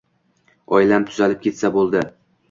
Oilam tuzalib ketsa boʻldi.